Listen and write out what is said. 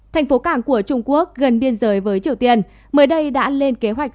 thành phố cảng của trung quốc gần biên giới với triều tiên mới đây đã lên kế hoạch